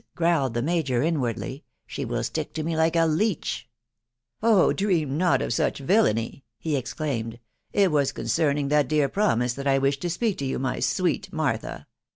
growled the major inwardly, " the will stick to me like a leech !" "Oh! dream not of such villany!" he exclaimed; "it was concerning that dear promise that I wiahed to apeak to you, my sweet Martha.